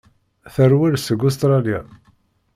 Terwel seg Ustṛalya.